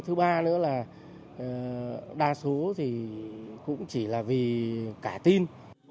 thứ ba nữa là đa số thì cũng chỉ là vì cả tin